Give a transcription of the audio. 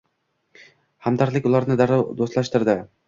Hamdardlik ularni darrov do'stlashtirdi.